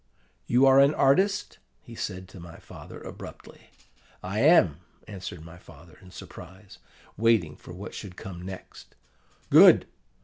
"'You are an artist?' he said to my father abruptly. "'I am,' answered my father in surprise, waiting for what should come next. "'Good!